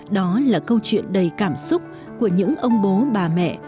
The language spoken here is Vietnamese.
đó là câu chuyện đầy cảm xúc của những ông bố bà mẹ